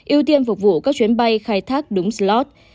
ưu tiên phục vụ các chuyến bay khai thác đúng slot